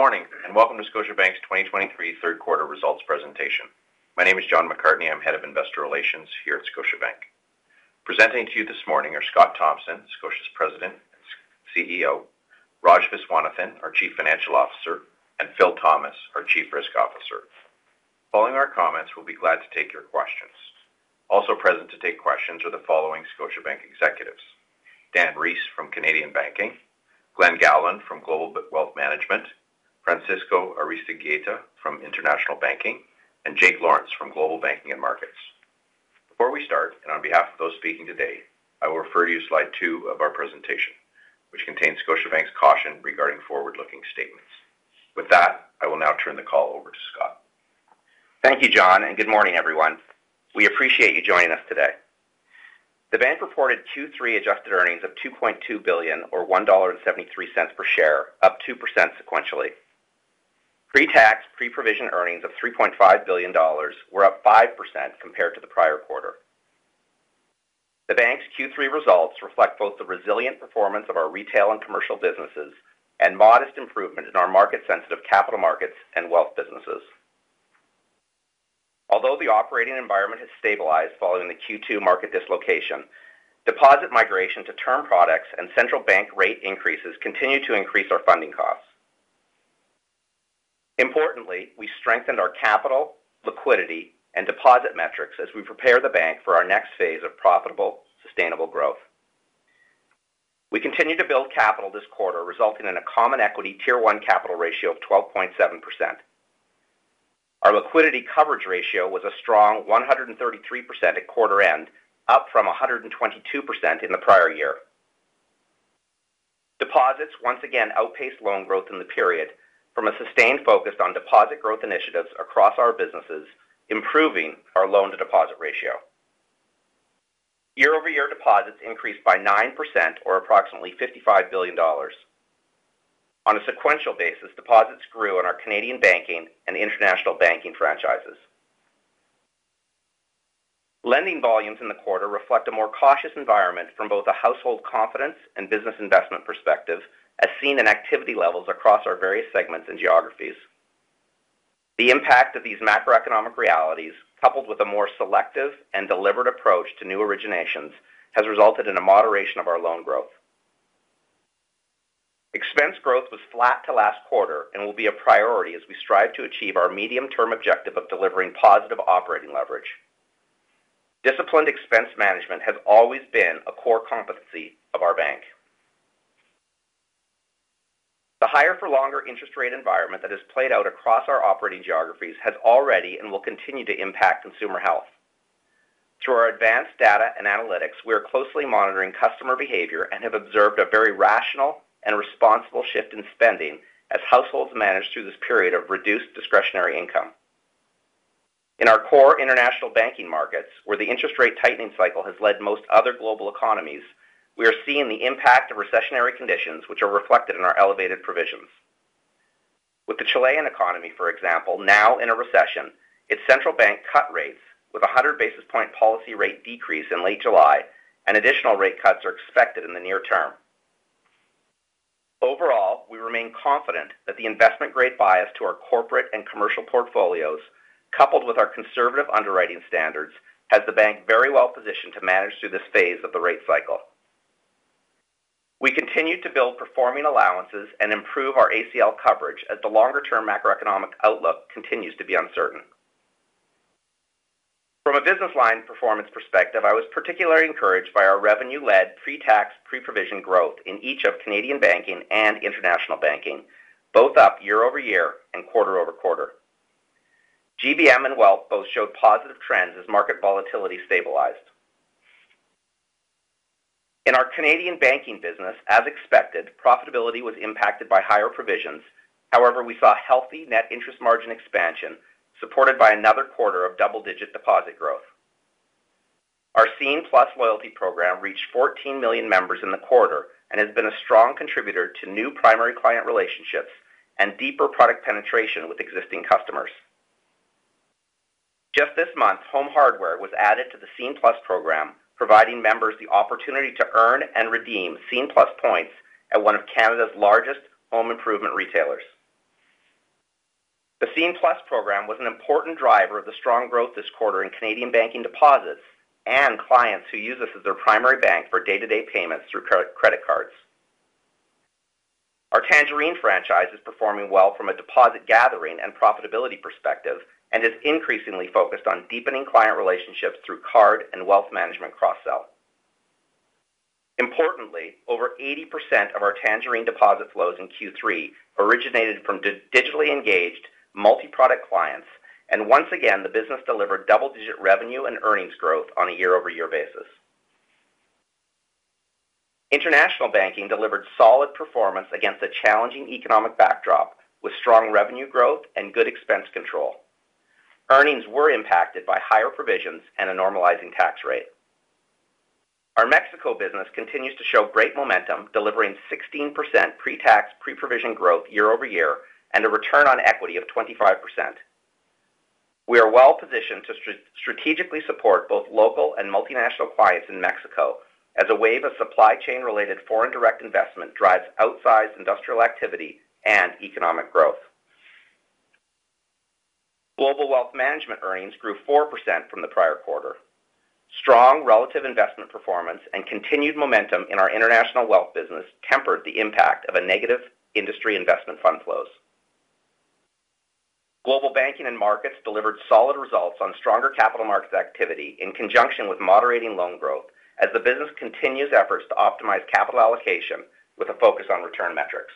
Good morning, and welcome to Scotiabank's 2023 Q3 results presentation. My name is John McCartney. I'm Head of Investor Relations here at Scotiabank. Presenting to you this morning are Scott Thomson, Scotia's President and CEO, Raj Viswanathan, our Chief Financial Officer, and Phil Thomas, our Chief Risk Officer. Following our comments, we'll be glad to take your questions. Also present to take questions are the following Scotiabank executives: Dan Rees from Canadian Banking, Glen Gowland from Global Wealth Management, Francisco Aristeguieta from International Banking, and Jake Lawrence from Global Banking and Markets. Before we start, and on behalf of those speaking today, I will refer you to slide two of our presentation, which contains Scotiabank's caution regarding forward-looking statements. With that, I will now turn the call over to Scott. Thank you, John, and good morning, everyone. We appreciate you joining us today. The bank reported Q3 adjusted earnings of 2.2 billion or 1.73 dollar per share, up 2% sequentially. Pre-tax, pre-provision earnings of 3.5 billion dollars were up 5% compared to the prior quarter. The bank's Q3 results reflect both the resilient performance of our retail and commercial businesses and modest improvement in our market-sensitive capital markets and wealth businesses. Although the operating environment has stabilized following the Q2 market dislocation, deposit migration to term products and central bank rate increases continue to increase our funding costs. Importantly, we strengthened our capital, liquidity, and deposit metrics as we prepare the bank for our next phase of profitable, sustainable growth. We continued to build capital this quarter, resulting in a Common Equity Tier 1 capital ratio of 12.7%. Our liquidity coverage ratio was a strong 133% at quarter end, up from 122% in the prior year. Deposits once again outpaced loan growth in the period from a sustained focus on deposit growth initiatives across our businesses, improving our loan-to-deposit ratio. Year-over-year deposits increased by 9% or approximately 55 billion dollars. On a sequential basis, deposits grew in our Canadian banking and international banking franchises. Lending volumes in the quarter reflect a more cautious environment from both a household confidence and business investment perspective, as seen in activity levels across our various segments and geographies. The impact of these macroeconomic realities, coupled with a more selective and deliberate approach to new originations, has resulted in a moderation of our loan growth. Expense growth was flat to last quarter and will be a priority as we strive to achieve our medium-term objective of delivering positive operating leverage. Disciplined expense management has always been a core competency of our bank. The higher for longer interest rate environment that has played out across our operating geographies has already and will continue to impact consumer health. Through our advanced data and analytics, we are closely monitoring customer behavior and have observed a very rational and responsible shift in spending as households manage through this period of reduced discretionary income. In our core international banking markets, where the interest rate tightening cycle has led most other global economies, we are seeing the impact of recessionary conditions, which are reflected in our elevated provisions. With the Chilean economy, for example, now in a recession, its central bank cut rates with a 100 basis point policy rate decrease in late July, and additional rate cuts are expected in the near term. Overall, we remain confident that the investment-grade bias to our corporate and commercial portfolios, coupled with our conservative underwriting standards, has the bank very well positioned to manage through this phase of the rate cycle. We continue to build performing allowances and improve our ACL coverage as the longer-term macroeconomic outlook continues to be uncertain. From a business line performance perspective, I was particularly encouraged by our revenue-led pre-tax, pre-provision growth in each of Canadian Banking and International Banking, both up year over year and quarter over quarter. GBM and Wealth both showed positive trends as market volatility stabilized. In our Canadian Banking business, as expected, profitability was impacted by higher provisions. However, we saw healthy net interest margin expansion, supported by another quarter of double-digit deposit growth. Our Scene+ loyalty program reached 14 million members in the quarter and has been a strong contributor to new primary client relationships and deeper product penetration with existing customers. Just this month, Home Hardware was added to the Scene+ program, providing members the opportunity to earn and redeem Scene+ points at one of Canada's largest home improvement retailers. The Scene+ program was an important driver of the strong growth this quarter in Canadian banking deposits and clients who use us as their primary bank for day-to-day payments through credit, credit cards. Our Tangerine franchise is performing well from a deposit gathering and profitability perspective and is increasingly focused on deepening client relationships through card and wealth management cross-sell. Importantly, over 80% of our Tangerine deposit flows in Q3 originated from digitally engaged multi-product clients, and once again, the business delivered double-digit revenue and earnings growth on a year-over-year basis. International banking delivered solid performance against a challenging economic backdrop with strong revenue growth and good expense control. Earnings were impacted by higher provisions and a normalizing tax rate. Our Mexico business continues to show great momentum, delivering 16% pre-tax, pre-provision growth year-over-year and a return on equity of 25%. We are well positioned to strategically support both local and multinational clients in Mexico as a wave of supply chain-related foreign direct investment drives outsized industrial activity and economic growth. Global wealth management earnings grew 4% from the prior quarter. Strong relative investment performance and continued momentum in our international wealth business tempered the impact of a negative industry investment fund flows. Global Banking and Markets delivered solid results on stronger capital markets activity in conjunction with moderating loan growth, as the business continues efforts to optimize capital allocation with a focus on return metrics.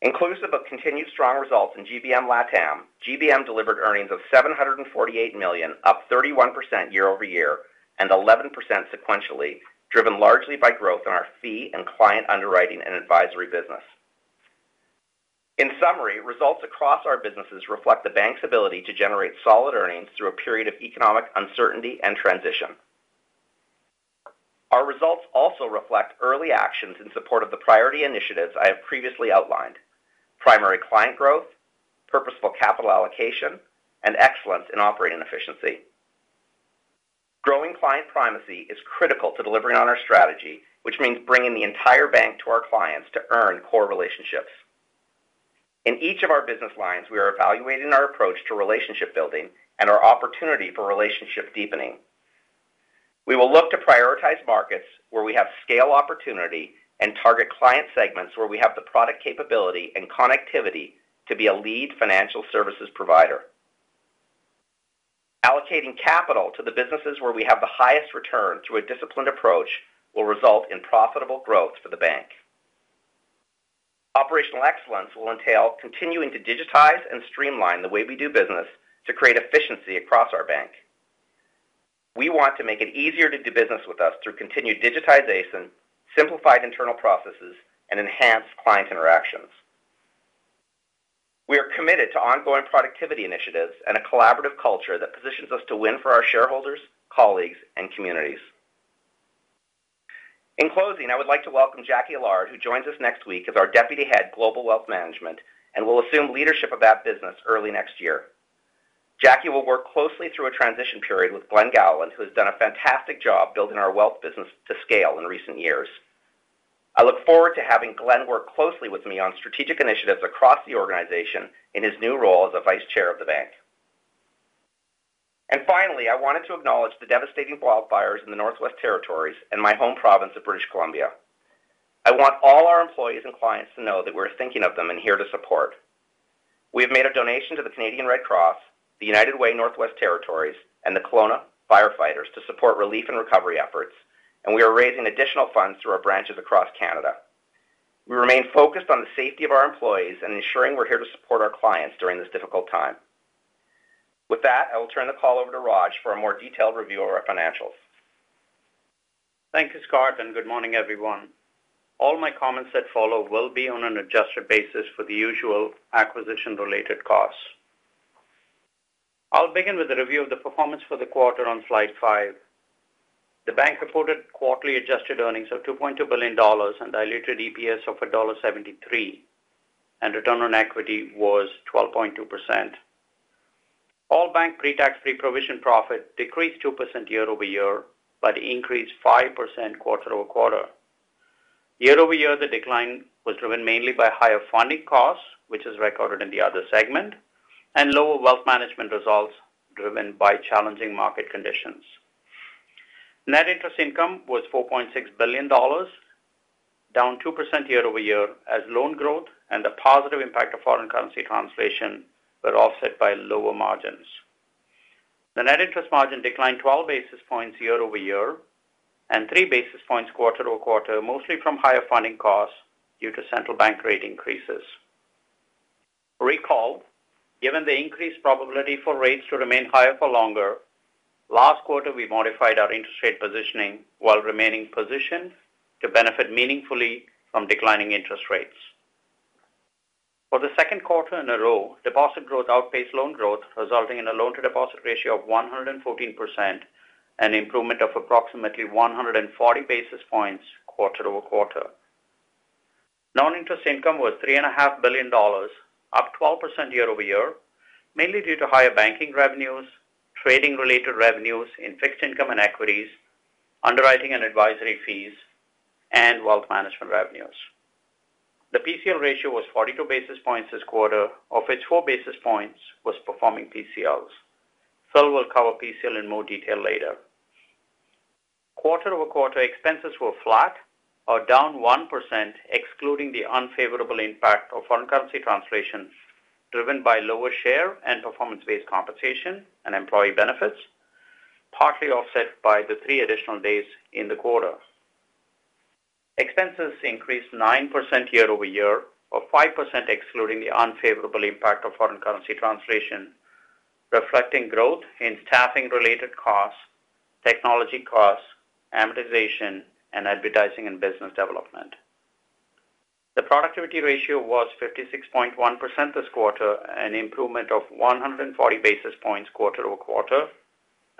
Inclusive of continued strong results in GBM LATAM, GBM delivered earnings of 748 million, up 31% year-over-year, and 11% sequentially, driven largely by growth in our fee and client underwriting and advisory business. In summary, results across our businesses reflect the bank's ability to generate solid earnings through a period of economic uncertainty and transition. Our results also reflect early actions in support of the priority initiatives I have previously outlined: primary client growth, purposeful capital allocation, and excellence in operating efficiency. Growing client primacy is critical to delivering on our strategy, which means bringing the entire bank to our clients to earn core relationships. In each of our business lines, we are evaluating our approach to relationship building and our opportunity for relationship deepening. We will look to prioritize markets where we have scale opportunity and target client segments where we have the product capability and connectivity to be a lead financial services provider. Allocating capital to the businesses where we have the highest return through a disciplined approach will result in profitable growth for the bank. Operational excellence will entail continuing to digitize and streamline the way we do business to create efficiency across our bank. We want to make it easier to do business with us through continued digitization, simplified internal processes, and enhanced client interactions. We are committed to ongoing productivity initiatives and a collaborative culture that positions us to win for our shareholders, colleagues, and communities. In closing, I would like to welcome Jacqie Allard, who joins us next week as our Deputy Head, Global Wealth Management, and will assume leadership of that business early next year. Jackie will work closely through a transition period with Glen Gowland, who has done a fantastic job building our wealth business to scale in recent years. I look forward to having Glen work closely with me on strategic initiatives across the organization in his new role as a Vice Chair of the bank. And finally, I wanted to acknowledge the devastating wildfires in the Northwest Territories and my home province of British Columbia. I want all our employees and clients to know that we're thinking of them and here to support. We have made a donation to the Canadian Red Cross, the United Way Northwest Territories, and the Kelowna Firefighters to support relief and recovery efforts, and we are raising additional funds through our branches across Canada. We remain focused on the safety of our employees and ensuring we're here to support our clients during this difficult time. With that, I will turn the call over to Raj for a more detailed review of our financials. Thank you, Scott, and good morning, everyone. All my comments that follow will be on an adjusted basis for the usual acquisition-related costs. I'll begin with a review of the performance for the quarter on slide 5. The bank reported quarterly adjusted earnings of 2.2 billion dollars and diluted EPS of dollar 1.73, and return on equity was 12.2%. All bank pretax preprovision profit decreased 2% year-over-year, but increased 5% quarter-over-quarter. Year over year, the decline was driven mainly by higher funding costs, which is recorded in the other segment, and lower wealth management results, driven by challenging market conditions. Net interest income was 4.6 billion dollars, down 2% year-over-year, as loan growth and the positive impact of foreign currency translation were offset by lower margins. The net interest margin declined 12 basis points year-over-year and 3 basis points quarter-over-quarter, mostly from higher funding costs due to central bank rate increases. Recall, given the increased probability for rates to remain higher for longer, last quarter, we modified our interest rate positioning while remaining positioned to benefit meaningfully from declining interest rates. For the second quarter in a row, deposit growth outpaced loan growth, resulting in a loan-to-deposit ratio of 114%, an improvement of approximately 140 basis points quarter-over-quarter. Non-interest income was 3.5 billion dollars, up 12% year-over-year, mainly due to higher banking revenues, trading-related revenues in fixed income and equities, underwriting and advisory fees, and wealth management revenues. The PCL ratio was 42 basis points this quarter, of which 4 basis points was performing PCLs. Phil will cover PCL in more detail later. Quarter-over-quarter, expenses were flat or down 1%, excluding the unfavorable impact of foreign currency translation, driven by lower share and performance-based compensation and employee benefits, partly offset by the 3 additional days in the quarter. Expenses increased 9% year-over-year, or 5%, excluding the unfavorable impact of foreign currency translation, reflecting growth in staffing-related costs, technology costs, amortization, and advertising and business development. The productivity ratio was 56.1% this quarter, an improvement of 140 basis points quarter-over-quarter,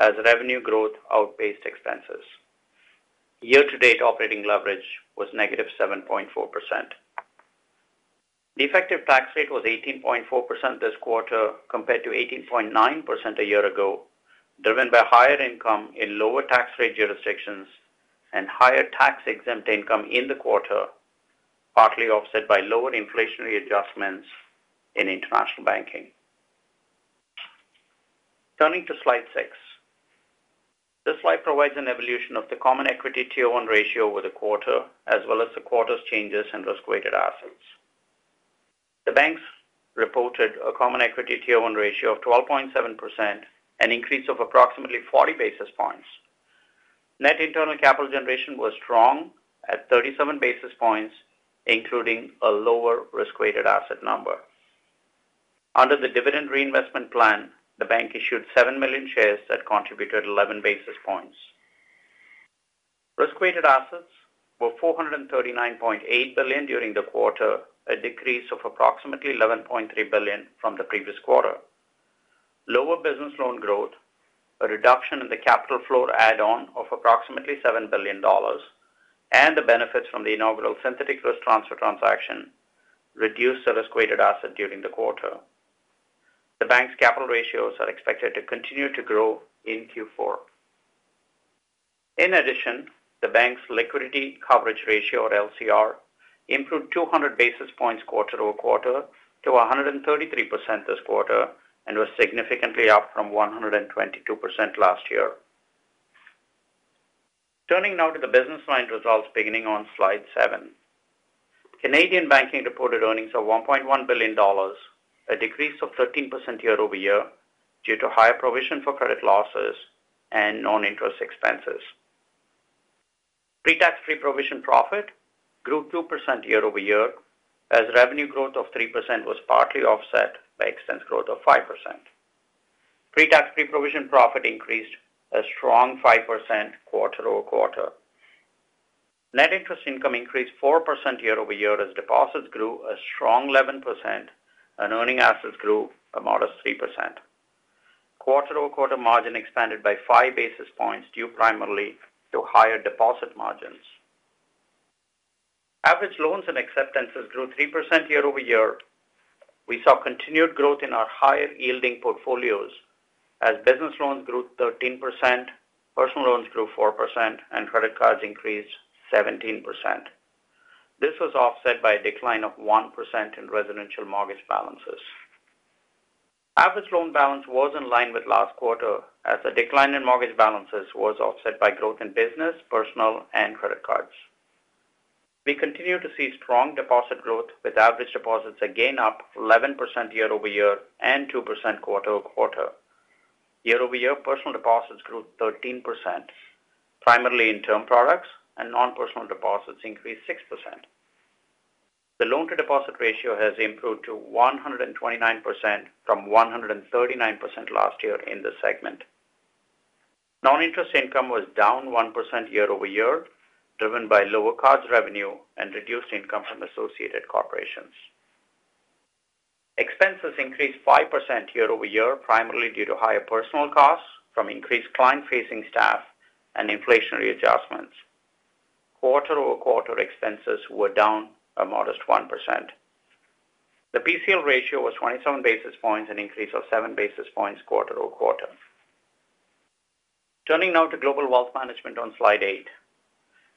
as revenue growth outpaced expenses. year-to-date operating leverage was negative 7.4%. The effective tax rate was 18.4% this quarter, compared to 18.9% a year ago, driven by higher income in lower tax rate jurisdictions and higher tax-exempt income in the quarter, partly offset by lower inflationary adjustments in international banking. Turning to slide 6. This slide provides an evolution of the common equity Tier 1 ratio over the quarter, as well as the quarter's changes in risk-weighted assets. The bank reported a common equity Tier 1 ratio of 12.7%, an increase of approximately 40 basis points. Net internal capital generation was strong at 37 basis points, including a lower risk-weighted asset number. Under the dividend reinvestment plan, the bank issued 7 million shares that contributed 11 basis points. Risk-weighted assets were 439.8 billion during the quarter, a decrease of approximately 11.3 billion from the previous quarter. Lower business loan growth, a reduction in the capital floor add-on of approximately 7 billion dollars, and the benefits from the inaugural synthetic risk transfer transaction reduced the risk-weighted assets during the quarter. The bank's capital ratios are expected to continue to grow in Q4. In addition, the bank's liquidity coverage ratio, or LCR, improved 200 basis points quarter-over-quarter to 133% this quarter, and was significantly up from 122% last year. Turning now to the business line results beginning on slide 7. Canadian banking reported earnings of 1.1 billion dollars, a decrease of 13% year-over-year, due to higher provision for credit losses and non-interest expenses. Pre-tax pre-provision profit grew 2% year-over-year, as revenue growth of 3% was partly offset by expense growth of 5%. Pre-tax pre-provision profit increased a strong 5% quarter-over-quarter. Net interest income increased 4% year-over-year as deposits grew a strong 11% and earning assets grew a modest 3%. Quarter-over-quarter margin expanded by five basis points, due primarily to higher deposit margins. Average loans and acceptances grew 3% year-over-year. We saw continued growth in our higher-yielding portfolios, as business loans grew 13%, personal loans grew 4%, and credit cards increased 17%. This was offset by a decline of 1% in residential mortgage balances. Average loan balance was in line with last quarter, as the decline in mortgage balances was offset by growth in business, personal, and credit cards. We continue to see strong deposit growth, with average deposits again up 11% year-over-year and 2% quarter-over-quarter. Year-over-year, personal deposits grew 13%, primarily in term products, and non-personal deposits increased 6%. The loan-to-deposit ratio has improved to 129% from 139% last year in this segment. Non-interest income was down 1% year-over-year, driven by lower cards revenue and reduced income from associated corporations. Expenses increased 5% year-over-year, primarily due to higher personal costs from increased client-facing staff and inflationary adjustments. Quarter-over-quarter, expenses were down a modest 1%. The PCL ratio was 27 basis points, an increase of 7 basis points quarter-over-quarter. Turning now to global wealth management on slide eight.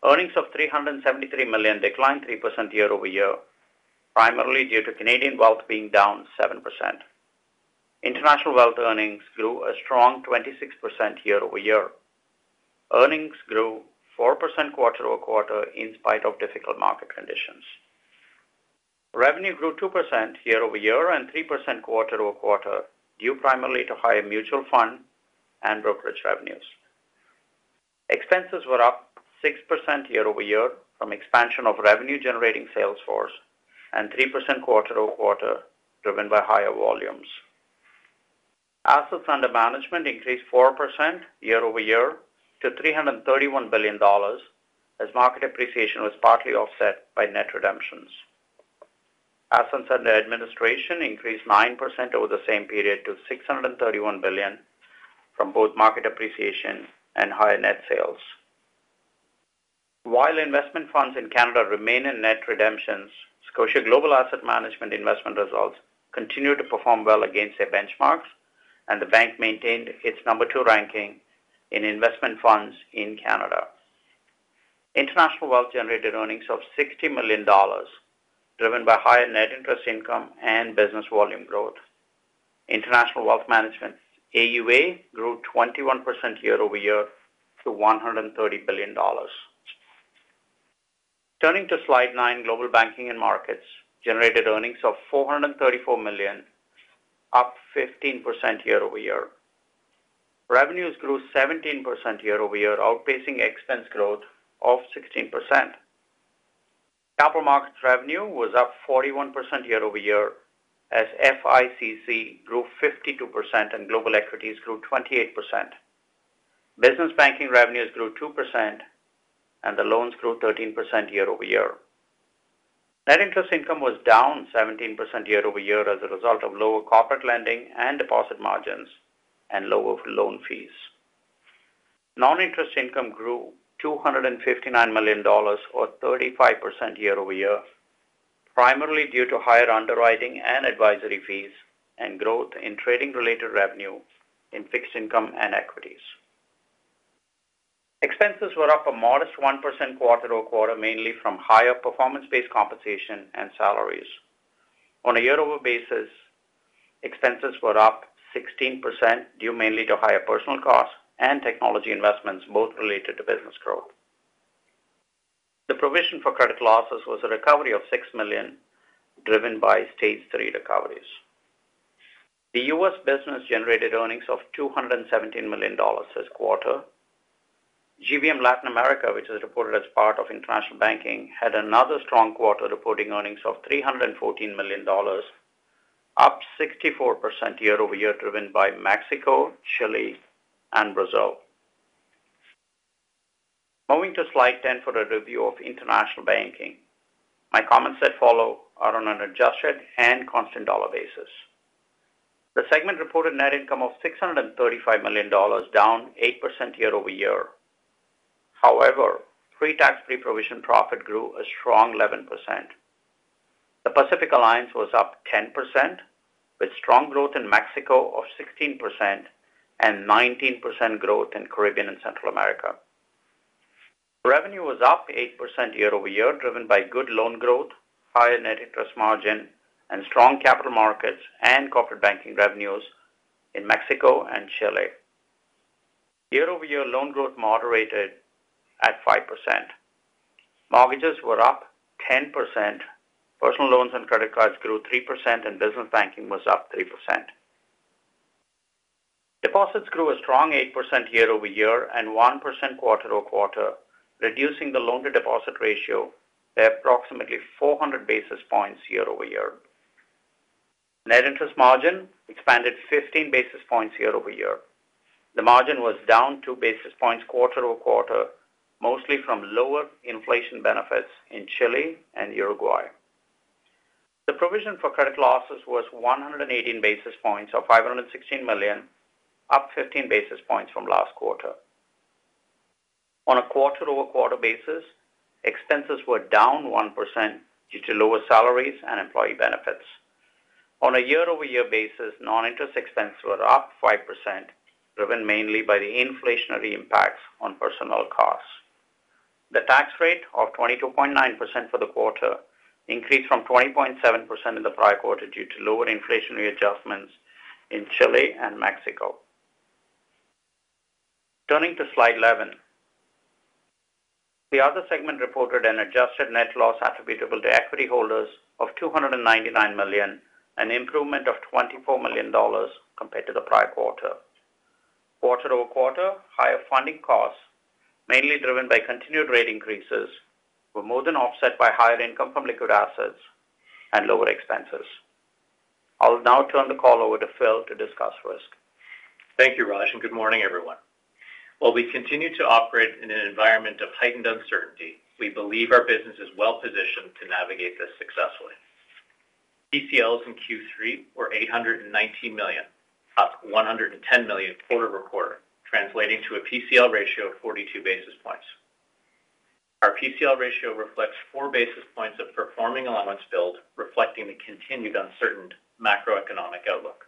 Earnings of 373 million declined 3% year-over-year, primarily due to Canadian wealth being down 7%. International wealth earnings grew a strong 26% year-over-year. Earnings grew 4% quarter-over-quarter in spite of difficult market conditions. Revenue grew 2% year-over-year and 3% quarter-over-quarter, due primarily to higher mutual fund and brokerage revenues. Expenses were up 6% year-over-year from expansion of revenue-generating sales force and 3% quarter-over-quarter, driven by higher volumes. Assets under management increased 4% year-over-year to 331 billion dollars, as market appreciation was partly offset by net redemptions. Assets under administration increased 9% over the same period to 631 billion from both market appreciation and higher net sales. While investment funds in Canada remain in net redemptions, Scotia Global Asset Management investment results continue to perform well against their benchmarks, and the bank maintained its number two ranking in investment funds in Canada. International Wealth generated earnings of 60 million dollars, driven by higher net interest income and business volume growth. International Wealth Management AUA grew 21% year-over-year to 130 billion dollars. Turning to slide 9, Global Banking and Markets generated earnings of 434 million, up 15% year-over-year. Revenues grew 17% year-over-year, outpacing expense growth of 16%. Capital markets revenue was up 41% year-over-year, as FICC grew 52% and global equities grew 28%. Business banking revenues grew 2%, and the loans grew 13% year-over-year. Net interest income was down 17% year-over-year as a result of lower corporate lending and deposit margins and lower loan fees. Non-interest income grew 259 million dollars or 35% year-over-year, primarily due to higher underwriting and advisory fees, and growth in trading-related revenue in fixed income and equities. Expenses were up a modest 1% quarter-over-quarter, mainly from higher performance-based compensation and salaries. On a year-over-year basis, expenses were up 16%, due mainly to higher personal costs and technology investments, both related to business growth. The provision for credit losses was a recovery of 6 million, driven by stage three recoveries. The U.S. business generated earnings of 217 million dollars this quarter. GBM Latin America, which is reported as part of international banking, had another strong quarter, reporting earnings of 314 million dollars, up 64% year-over-year, driven by Mexico, Chile, and Brazil. Moving to slide 10 for a review of international banking. My comments that follow are on an adjusted and constant dollar basis. The segment reported net income of 635 million dollars, down 8% year-over-year. However, pre-tax, pre-provision profit grew a strong 11%. The Pacific Alliance was up 10%, with strong growth in Mexico of 16% and 19% growth in Caribbean and Central America. Revenue was up 8% year-over-year, driven by good loan growth, higher net interest margin, and strong capital markets and corporate banking revenues in Mexico and Chile. Year-over-year loan growth moderated at 5%. Mortgages were up 10%, personal loans and credit cards grew 3%, and business banking was up 3%. Deposits grew a strong 8% year-over-year and 1% quarter-over-quarter, reducing the loan-to-deposit ratio to approximately 400 basis points year-over-year. Net interest margin expanded 15 basis points year-over-year. The margin was down 2 basis points quarter-over-quarter, mostly from lower inflation benefits in Chile and Uruguay. The provision for credit losses was 118 basis points, or 516 million, up 15 basis points from last quarter. On a quarter-over-quarter basis, expenses were down 1% due to lower salaries and employee benefits. On a year-over-year basis, non-interest expenses were up 5%, driven mainly by the inflationary impacts on personnel costs. The tax rate of 22.9% for the quarter increased from 20.7% in the prior quarter due to lower inflationary adjustments in Chile and Mexico. Turning to slide 11. The other segment reported an adjusted net loss attributable to equity holders of 299 million, an improvement of 24 million dollars compared to the prior quarter. Quarter-over-quarter, higher funding costs, mainly driven by continued rate increases, were more than offset by higher income from liquid assets and lower expenses. I'll now turn the call over to Phil to discuss risk. Thank you, Raj, and good morning, everyone. While we continue to operate in an environment of heightened uncertainty, we believe our business is well-positioned to navigate this successfully. PCLs in Q3 were 819 million, up 110 million quarter-over-quarter, translating to a PCL ratio of 42 basis points. Our PCL ratio reflects 4 basis points of performing allowance build, reflecting the continued uncertain macroeconomic outlook.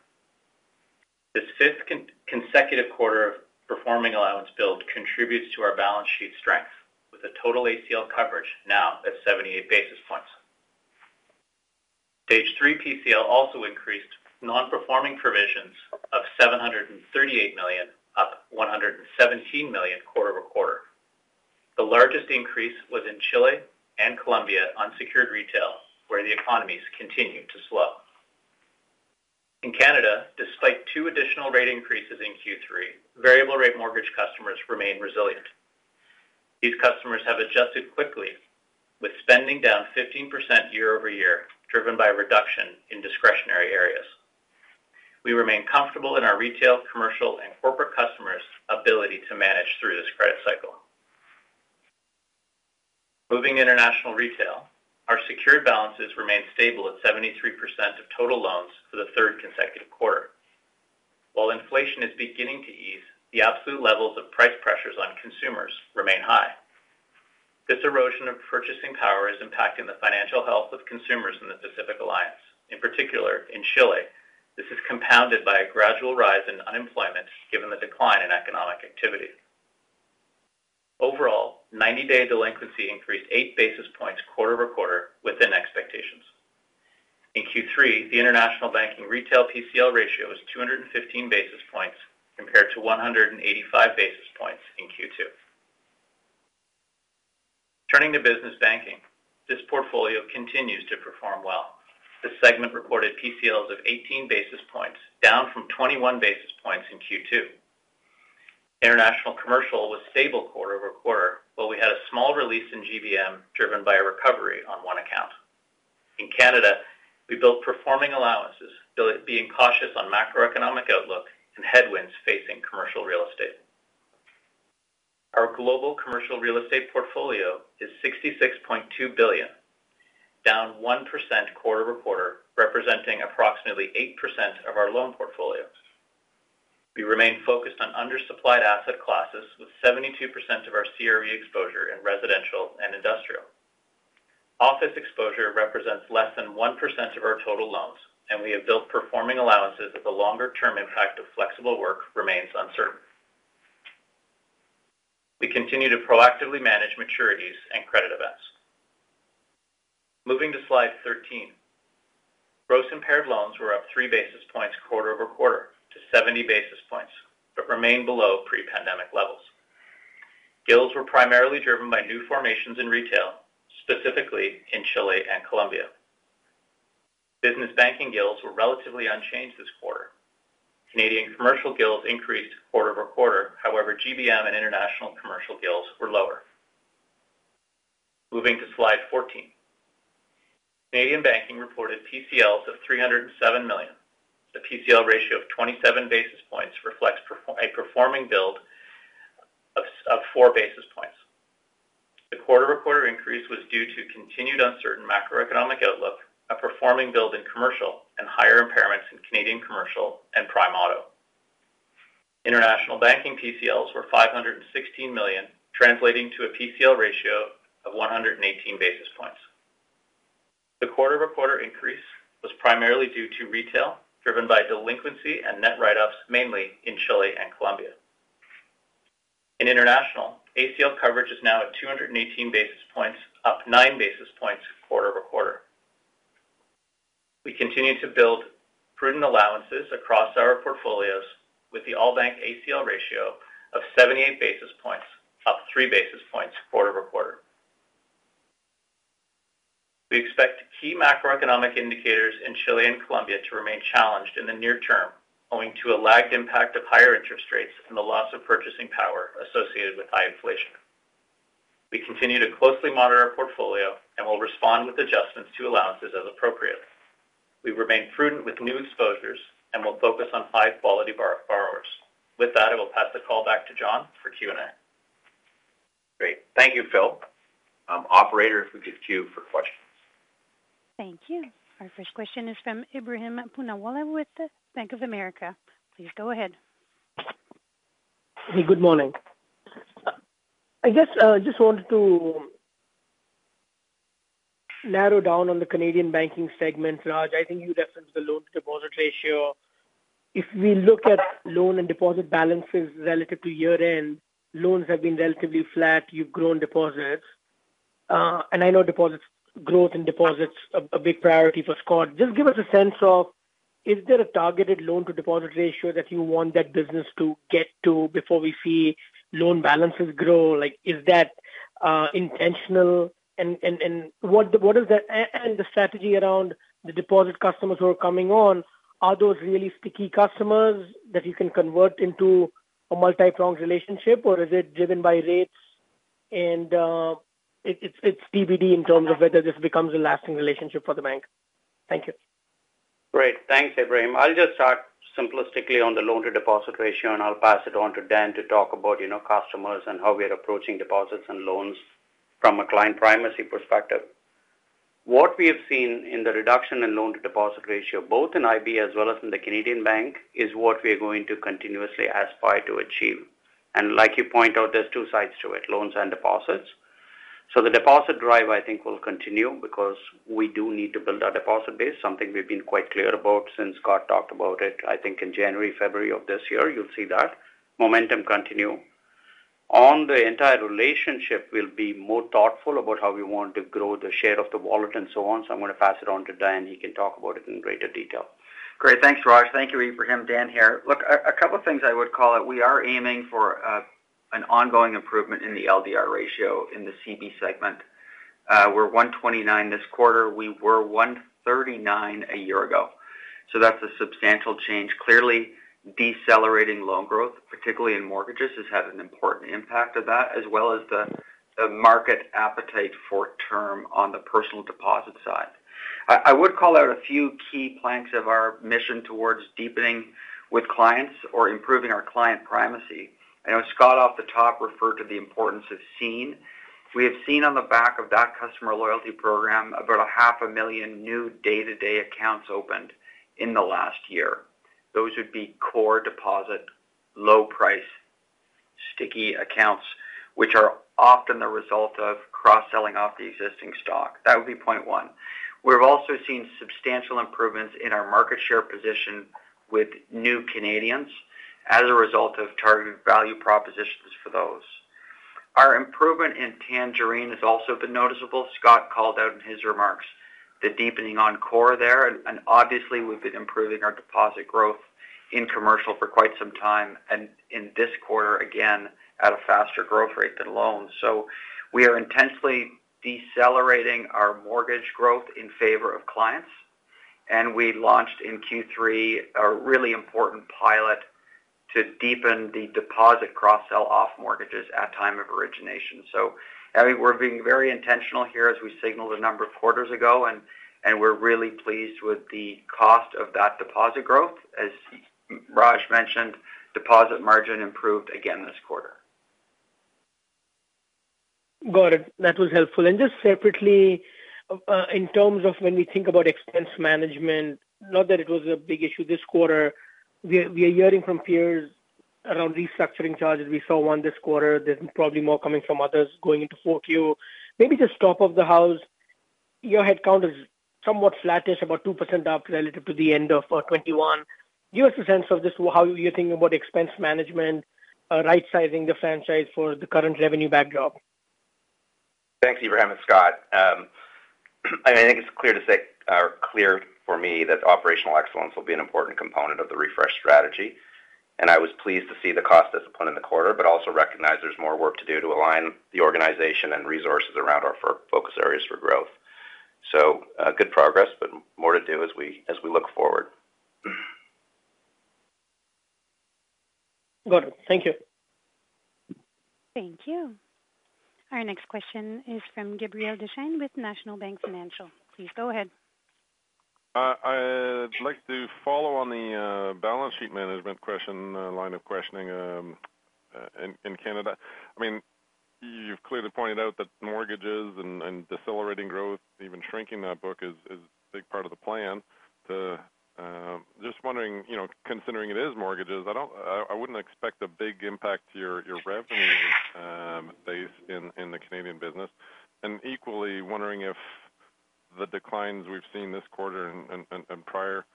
This fifth consecutive quarter of performing allowance build contributes to our balance sheet strength, with a total ACL coverage now at 78 basis points. Stage 3 PCL also increased non-performing provisions of 738 million, up 117 million quarter-over-quarter. The largest increase was in Chile and Colombia on secured retail, where the economies continue to slow. In Canada, despite 2 additional rate increases in Q3, variable rate mortgage customers remained resilient. These customers have adjusted quickly, with spending down 15% year-over-year, driven by a reduction in discretionary areas. We remain comfortable in our retail, commercial, and corporate customers' ability to manage through this credit cycle. Moving to international retail, our secured balances remained stable at 73% of total loans for the third consecutive quarter. While inflation is beginning to ease, the absolute levels of price pressures on consumers remain high. This erosion of purchasing power is impacting the financial health of consumers in the Pacific Alliance. In particular, in Chile, this is compounded by a gradual rise in unemployment, given the decline in economic activity. Overall, 90-day delinquency increased 8 basis points quarter-over-quarter within expectations. In Q3, the international banking retail PCL ratio is 215 basis points, compared to 185 basis points in Q2. Turning to business banking, this portfolio continues to perform well. This segment recorded PCLs of 18 basis points, down from 21 basis points in Q2. International commercial was stable quarter-over-quarter, while we had a small release in GBM, driven by a recovery on one account. In Canada, we built performing allowances, though being cautious on macroeconomic outlook and headwinds facing commercial real estate. Our global commercial real estate portfolio is 66.2 billion, down 1% quarter-over-quarter, representing approximately 8% of our loan portfolio. We remain focused on undersupplied asset classes, with 72% of our CRE exposure in residential and industrial. Office exposure represents less than 1% of our total loans, and we have built performing allowances as the longer-term impact of flexible work remains uncertain. We continue to proactively manage maturities and credit events. Moving to slide 13. Gross impaired loans were up 3 basis points quarter-over-quarter to 70 basis points, but remained below pre-pandemic levels. GILs were primarily driven by new formations in retail, specifically in Chile and Colombia. Business banking GILs were relatively unchanged this quarter. Canadian commercial GILs increased quarter-over-quarter. However, GBM and international commercial GILs were lower. Moving to slide 14. Canadian banking reported PCLs of 307 million. The PCL ratio of 27 basis points reflects a performing build of 4 basis points. The quarter-over-quarter increase was due to continued uncertain macroeconomic outlook, a performing build in commercial and higher impairments in Canadian commercial and prime auto. International banking PCLs were 516 million, translating to a PCL ratio of 118 basis points. The quarter-over-quarter increase was primarily due to retail, driven by delinquency and net write-ups, mainly in Chile and Colombia. In international, ACL coverage is now at 218 basis points, up 9 basis points quarter over quarter. We continue to build prudent allowances across our portfolios with the all bank ACL ratio of 78 basis points, up 3 basis points quarter over quarter. We expect key macroeconomic indicators in Chile and Colombia to remain challenged in the near term, owing to a lagged impact of higher interest rates and the loss of purchasing power associated with high inflation. We continue to closely monitor our portfolio and will respond with adjustments to allowances as appropriate. We remain prudent with new exposures and will focus on high-quality borrowers. With that, I will pass the call back to John for Q&A. Great. Thank you, Phil. Operator, if we could queue for questions. Thank you. Our first question is from Ebrahim Poonawala with Bank of America. Please go ahead. Hey, good morning. I guess I just wanted to narrow down on the Canadian banking segment. Raj, I think you referenced the loan to deposit ratio. If we look at loan and deposit balances relative to year-end, loans have been relatively flat. You've grown deposits, and I know deposits growth and deposit's a big priority for Scott. Just give us a sense of, is there a targeted loan to deposit ratio that you want that business to get to before we see loan balances grow? Like, is that intentional? And what is the strategy around the deposit customers who are coming on, are those really sticky customers that you can convert into a multi-pronged relationship, or is it driven by rates? And it's TBD in terms of whether this becomes a lasting relationship for the bank. Thank you. Great. Thanks, Ebrahim. I'll just start simplistically on the loan to deposit ratio, and I'll pass it on to Dan to talk about, customers and how we are approaching deposits and loans from a client primacy perspective. What we have seen in the reduction in loan to deposit ratio, both in IB as well as in the Canadian bank, is what we are going to continuously aspire to achieve. And like you point out, there's two sides to it, loans and deposits. So the deposit drive, I think, will continue because we do need to build our deposit base, something we've been quite clear about since Scott talked about it, I think, in January, February of this year. You'll see that momentum continue. On the entire relationship, we'll be more thoughtful about how we want to grow the share of the wallet and so on. I'm going to pass it on to Dan, and he can talk about it in greater detail. Great. Thanks, Raj. Thank you, Ebrahim. Dan here. Look, a couple of things I would call out. We are aiming for an ongoing improvement in the LDR ratio in the CB segment. We're 129% this quarter. We were 139% a year ago, so that's a substantial change. Clearly, decelerating loan growth, particularly in mortgages, has had an important impact of that, as well as the market appetite for term on the personal deposit side. I would call out a few key planks of our mission towards deepening with clients or improving our client primacy. I know Scott, off the top, referred to the importance of Scene+. We have seen on the back of that customer loyalty program, about 500,000 new day-to-day accounts opened in the last year. Those would be core deposit, low price, sticky accounts, which are often the result of cross-selling off the existing stock. That would be point one. We've also seen substantial improvements in our market share position with new Canadians as a result of targeted value propositions for those. Our improvement in Tangerine has also been noticeable. Scott called out in his remarks the deepening on core there, and obviously, we've been improving our deposit growth in commercial for quite some time, and in this quarter, again, at a faster growth rate than loans. So we are intensely decelerating our mortgage growth in favor of clients, and we launched in Q3, a really important pilot to deepen the deposit cross-sell off mortgages at time of origination. So, I mean, we're being very intentional here, as we signaled a number of quarters ago, and, and we're really pleased with the cost of that deposit growth. As Raj mentioned, deposit margin improved again this quarter. Got it. That was helpful. And just separately, in terms of when we think about expense management, not that it was a big issue this quarter, we are, we are hearing from peers around restructuring charges. We saw one this quarter. There's probably more coming from others going into Q4. Maybe just top of the house, your headcount is somewhat flattish, about 2% up relative to the end of 2021. Give us a sense of just how you're thinking about expense management, rightsizing the franchise for the current revenue backdrop. Thanks, Ebrahim and Scott. I think it's clear to say, or clear for me, that operational excellence will be an important component of the refresh strategy, and I was pleased to see the cost discipline in the quarter, but also recognize there's more work to do to align the organization and resources around our focus areas for growth. So, good progress, but more to do as we look forward. Got it. Thank you. Thank you. Our next question is from Gabriel Dechaine with National Bank Financial. Please go ahead. I'd like to follow on the balance sheet management question, line of questioning, in Canada. I mean, you've clearly pointed out that mortgages and decelerating growth, even shrinking that book is a big part of the plan. To just wondering, considering it is mortgages, I don't—I wouldn't expect a big impact to your revenue base in the Canadian business. And equally wondering if the declines we've seen this quarter and prior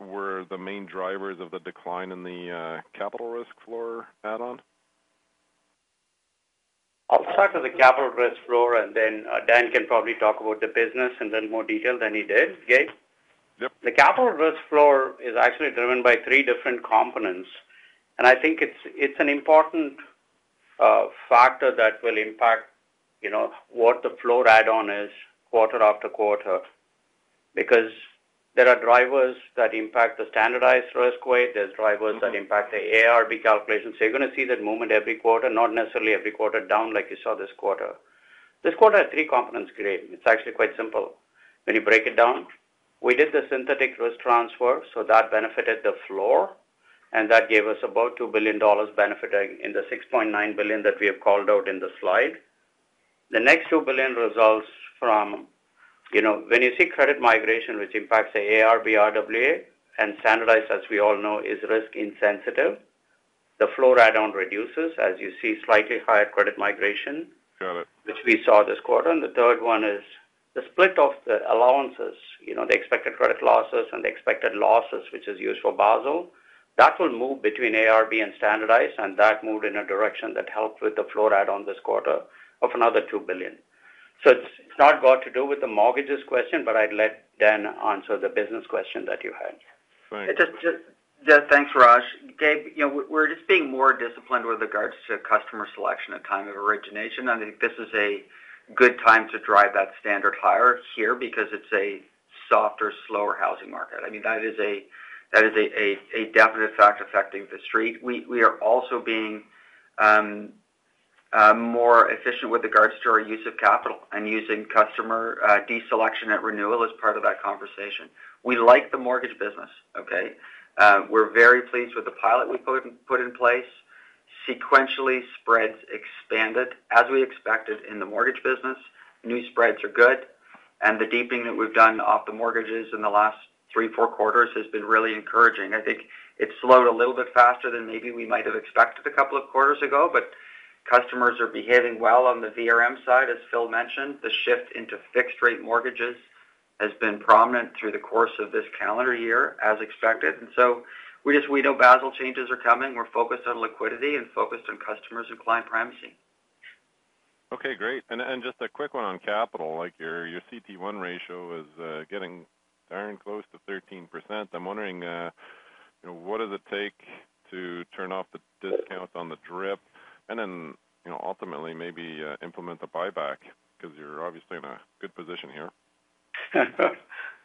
were the main drivers of the decline in the capital risk floor add-on? I'll start with the capital risk floor, and then Dan can probably talk about the business and then more detail than he did. Gabe? Yep. The capital risk floor is actually driven by three different components, and I think it's, it's an important factor that will impact, what the floor add-on is quarter after quarter. Because there are drivers that impact the standardized risk weight. There's drivers that impact the ARB calculation. So you're going to see that movement every quarter, not necessarily every quarter down, like you saw this quarter. This quarter has three components, Gabe. It's actually quite simple. When you break it down, we did the synthetic risk transfer, so that benefited the floor, and that gave us about 2 billion dollars benefiting in the 6.9 billion that we have called out in the slide. The next 2 billion results from, when you see credit migration, which impacts the ARB, RWA, and standardized, as we all know, is risk insensitive, the floor add-on reduces, as you see, slightly higher credit migration- Got it. which we saw this quarter. The third one is the split of the allowances, the expected credit losses and the expected losses, which is used for Basel. That will move between ARB and standardized, and that moved in a direction that helped with the floor add on this quarter of another 2 billion. So it's not got to do with the mortgages question, but I'd let Dan answer the business question that you had. Right. Just thanks, Raj. Gabriel, we're just being more disciplined with regards to customer selection at time of origination. I think this is a good time to drive that standard higher here because it's a softer, slower housing market. I mean, that is a definite fact affecting the street. We are also being more efficient with regards to our use of capital and using customer deselection at renewal as part of that conversation. We like the mortgage business, okay? We're very pleased with the pilot we put in place. Sequentially, spreads expanded as we expected in the mortgage business. New spreads are good, and the deepening that we've done off the mortgages in the last three, four quarters has been really encouraging. I think it slowed a little bit faster than maybe we might have expected a couple of quarters ago, but customers are behaving well on the VRM side, as Phil mentioned. The shift into fixed-rate mortgages has been prominent through the course of this calendar year, as expected. And so we just. We know Basel changes are coming. We're focused on liquidity and focused on customers and client primacy. Okay, great. And just a quick one on capital, like, your CET1 ratio is getting darn close to 13%. I'm wondering, what does it take to turn off the discount on the DRIP and then, ultimately maybe implement the buyback? Because you're obviously in a good position here.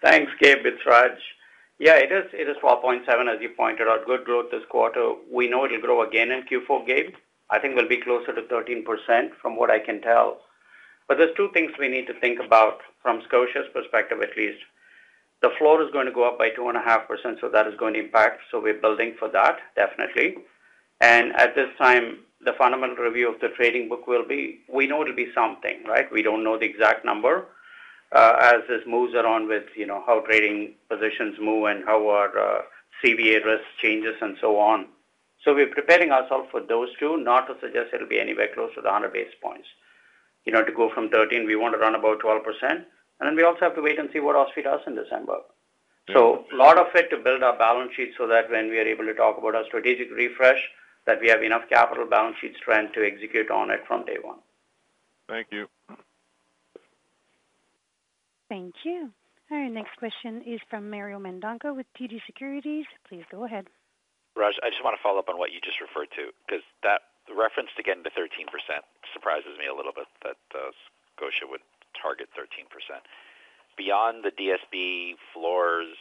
Thanks, Gabriel. It's Raj. it is 4.7, as you pointed out. Good growth this quarter. We know it'll grow again in Q4, Gabe. I think we'll be closer to 13% from what I can tell. But there's two things we need to think about from Scotia's perspective, at least. The floor is going to go up by 2.5%, so that is going to impact. So we're building for that, definitely. And at this time, the Fundamental Review of the Trading Book will be, we know it'll be something, right? We don't know the exact number, as this moves around with, how trading positions move and how our, CVA risk changes and so on. So we're preparing ourselves for those two, not to suggest it'll be anywhere close to the 100 basis points. to go from 13, we want to run about 12%, and then we also have to wait and see what OSFI does in December. So a lot of it to build our balance sheet so that when we are able to talk about our strategic refresh, that we have enough capital balance sheet strength to execute on it from day one. Thank you. Thank you. Our next question is from Mario Mendonca with TD Securities. Please go ahead. Raj, I just want to follow up on what you just referred to, because that reference to getting to 13% surprises me a little bit, that Scotia would target 13%. Beyond the DSB floors,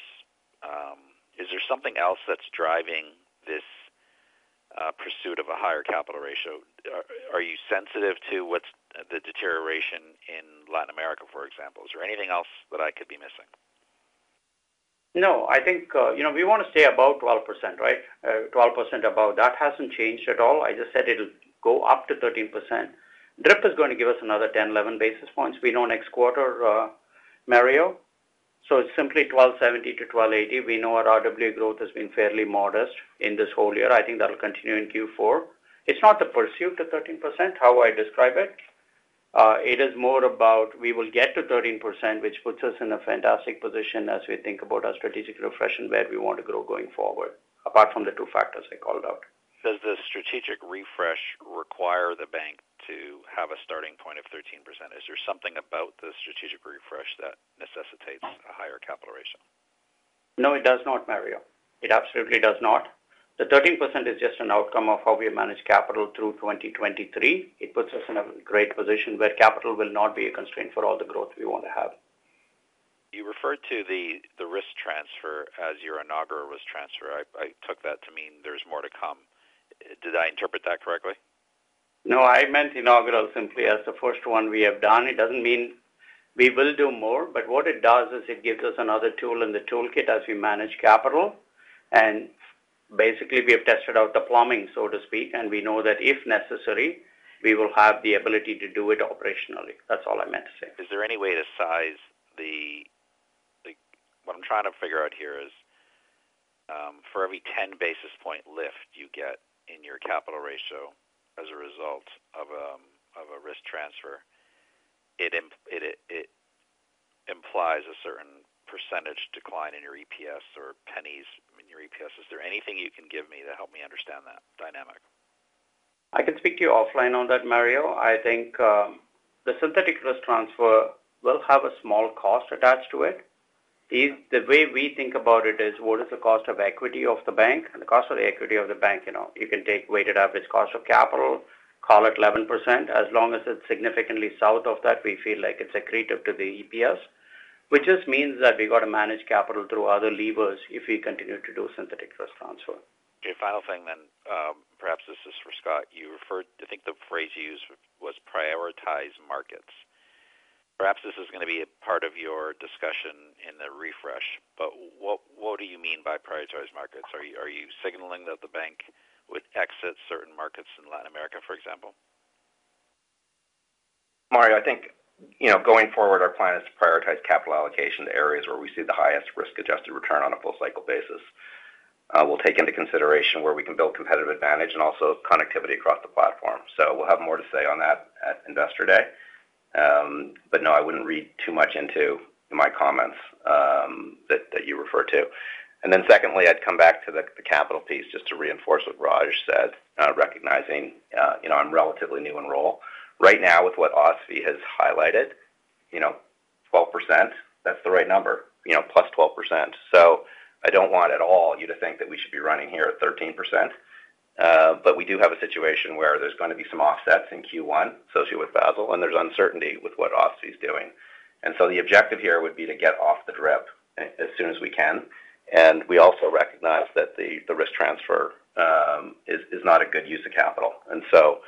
is there something else that's driving this pursuit of a higher capital ratio? Are you sensitive to what's the deterioration in Latin America, for example? Is there anything else that I could be missing? No, I think, we want to stay above 12%, right? Twelve percent above. That hasn't changed at all. I just said it'll go up to 13%. DRIP is going to give us another 10, 11 basis points. We know next quarter, Mario. So it's simply 12.70-12.80. We know our RWA growth has been fairly modest in this whole year. I think that'll continue in Q4. It's not the pursuit of 13%, how I describe it. It is more about we will get to 13%, which puts us in a fantastic position as we think about our strategic refresh and where we want to grow going forward, apart from the two factors I called out. Does the strategic refresh require the bank to have a starting point of 13%? Is there something about the strategic refresh that necessitates a higher capital ratio? No, it does not, Mario. It absolutely does not. The 13% is just an outcome of how we manage capital through 2023. It puts us in a great position where capital will not be a constraint for all the growth we want to have. You referred to the risk transfer as your inaugural risk transfer. I took that to mean there's more to come. Did I interpret that correctly? No, I meant inaugural simply as the first one we have done. It doesn't mean we will do more, but what it does is it gives us another tool in the toolkit as we manage capital. Basically, we have tested out the plumbing, so to speak, and we know that if necessary, we will have the ability to do it operationally. That's all I meant to say. Is there any way to size the? What I'm trying to figure out here is, for every 10 basis point lift you get in your capital ratio as a result of a risk transfer, it implies a certain percentage decline in your EPS or pennies in your EPS. Is there anything you can give me to help me understand that dynamic? I can speak to you offline on that, Mario. I think, the synthetic risk transfer will have a small cost attached to it. If the way we think about it is what is the cost of equity of the bank? And the cost of the equity of the bank, you can take weighted average cost of capital, call it 11%. As long as it's significantly south of that, we feel like it's accretive to the EPS, which just means that we've got to manage capital through other levers if we continue to do synthetic risk transfer. Okay, final thing then. Perhaps this is for Scott. You referred, I think the phrase you used was prioritize markets. Perhaps this is going to be a part of your discussion in the refresh, but what do you mean by prioritize markets? Are you signaling that the bank would exit certain markets in Latin America, for example? Mario, I think, going forward, our plan is to prioritize capital allocation to areas where we see the highest risk-adjusted return on a full cycle basis. We'll take into consideration where we can build competitive advantage and also connectivity across the platform. So we'll have more to say on that at Investor Day. But no, I wouldn't read too much into my comments that you refer to. And then secondly, I'd come back to the capital piece just to reinforce what Raj said, recognizing, I'm relatively new in role. Right now with what OSFI has highlighted, 12%, that's the right number, plus 12%. So I don't want at all you to think that we should be running here at 13%. But we do have a situation where there's going to be some offsets in Q1 associated with Basel, and there's uncertainty with what OSFI is doing. So the objective here would be to get off the DRIP as soon as we can. We also recognize that the risk transfer is not a good use of capital. So,